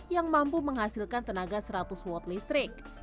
yang mampu menghasilkan tenaga seratus watt listrik